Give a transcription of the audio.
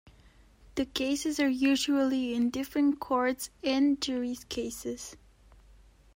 The cases are usually in different courts, and juriescases.